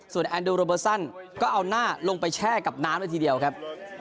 ส่วนก็เอาหน้าลงไปแช่กับน้ำด้วยทีเดียวครับ